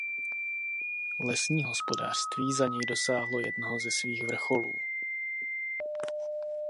Lesní hospodářství za něj dosáhlo jednoho ze svých vrcholů.